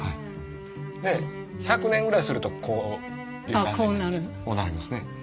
で１００年ぐらいするとこうこうなりますね。